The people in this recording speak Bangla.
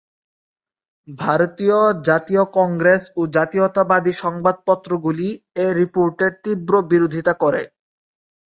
ভারতীয় জাতীয় কংগ্রেস ও জাতীয়তাবাদী সংবাদপত্রগুলি এ রিপোর্টের তীব্র বিরোধিতা করে।